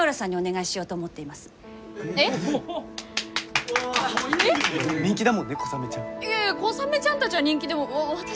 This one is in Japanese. いやいやコサメちゃんたちは人気でも私。